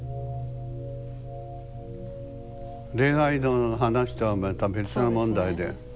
恋愛の話とはまた別の問題で。